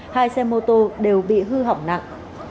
hai xe mô tô đều bị hư hỏng nặng